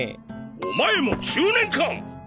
お前も中年か！